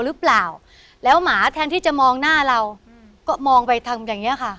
หรือเปล่าแล้วหมาแทนที่จะมองหน้าเราก็มองไปทำอย่างเงี้ยค่ะ